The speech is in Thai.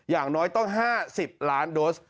อย่างน้อยต้อง๕๐ล้านโดส